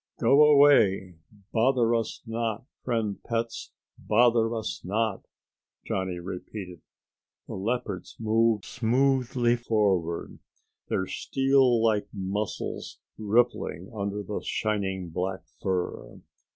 "Go away, bother us not! Friend pets, bother us not!" Johnny repeated. The leopards moved smoothly forward, their steel like muscles rippling under the shining black fur.